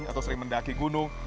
atau sering mendaki gunung